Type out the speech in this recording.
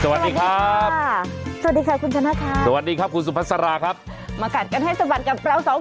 สวัสดีครับสวัสดีครับคุณชนะคะสวัสดีครับครูสุบัชราร่าครับมากัดกันให้สะบัดกับเรา